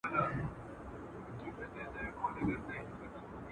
سياستپوهان په دې اړه بېلابېل نظرونه لري.